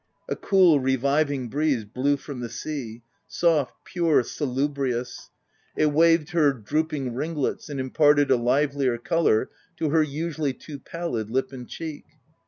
A cool, reviving breeze, blew from the sea — soft, pure, salubrious : it waved her droop ing ringlets, and imparted a livelier colour to her usually too pallid lip and cheek.